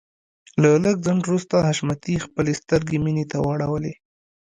له لږ ځنډ وروسته حشمتي خپلې سترګې مينې ته واړولې.